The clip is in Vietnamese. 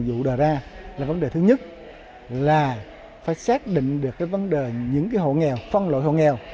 thường vụ đòi ra là vấn đề thứ nhất là phải xác định được vấn đề những hộ nghèo phân loại hộ nghèo